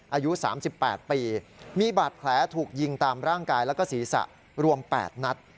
อายุ๓๘ปีมีบาดแผลถูกยิงตามร่างกายแล้วก็ศีรษะรวม๘นัด